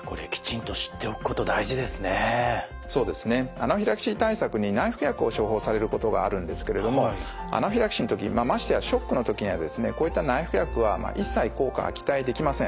アナフィラキシー対策に内服薬を処方されることがあるんですけれどもアナフィラキシーの時にましてやショックの時にはですねこういった内服薬は一切効果は期待できません。